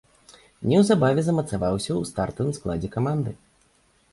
Неўзабаве замацаваўся ў стартавым складзе каманды.